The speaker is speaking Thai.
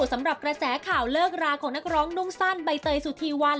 สำหรับกระแสข่าวเลิกราของนักร้องนุ่งสั้นใบเตยสุธีวัน